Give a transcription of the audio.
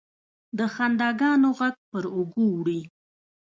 د خنداګانو، ږغ پر اوږو وړي